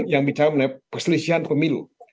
yang bicara mengenai perselisihan pemilu